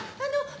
あの。